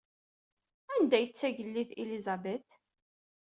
Anda ay d Tagellidt Elizabeth?